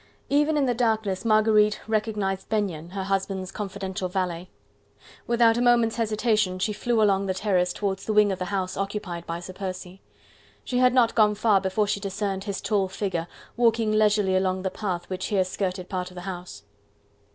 Even in the darkness Marguerite recognized Benyon, her husband's confidential valet. Without a moment's hesitation, she flew along the terrace towards the wing of the house occupied by Sir Percy. She had not gone far before she discerned his tall figure walking leisurely along the path which here skirted part of the house.